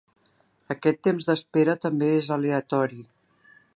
Aquest temps d'espera també és aleatori.